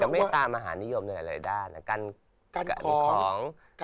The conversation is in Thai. ไม่ตามมหาเนิยมในแหละ